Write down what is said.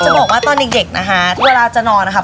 เฮ้ยจะบอกว่าตอนเด็กนะฮะเวลาจะนอนนะครับ